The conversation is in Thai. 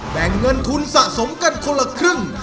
แบ่งเงินทุนสะสมกันคนละครึ่ง